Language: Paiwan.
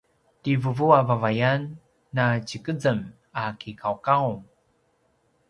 ti vuvu vavayan na tjikezem a kiqauqaung